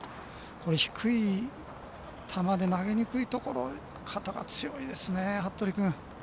低い球で投げにくいところ肩が強いですね服部君。